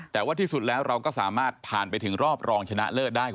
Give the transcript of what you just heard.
แต่ว่าที่สุดแล้วเราก็สามารถผ่านไปถึงรอบรองชนะเลิศได้